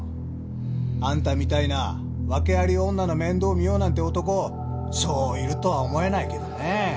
あんたみたいな訳あり女の面倒を見ようなんて男そういるとは思えないけどねえ。